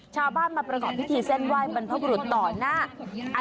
มาประกอบพิธีเส้นไหว้บรรพบรุษต่อหน้า